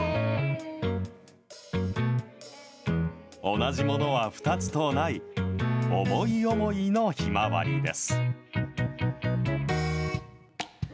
同じものは二つとない思い思いのひまわりです。